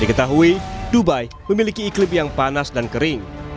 diketahui dubai memiliki iklim yang panas dan kering